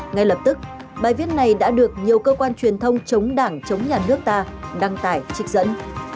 ngay lập tức bài viết này đã được nhiều cơ quan truyền thông chống đảng chống nhà nước ta đăng tải trị dẫn